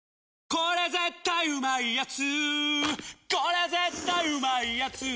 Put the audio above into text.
これ絶対うまいやつ」